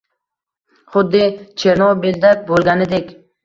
Xuddi Chernobilda boʻlganidek